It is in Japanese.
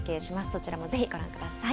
そちらもぜひご覧ください。